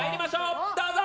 どうぞ！